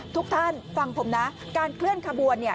ทุกท่านฟังผมนะการเคลื่อนขบวนเนี่ย